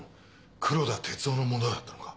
黒田哲生のものだったのか？